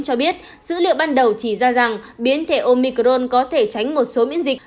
cho biết dữ liệu ban đầu chỉ ra rằng biến thể omicron có thể tránh một số miễn dịch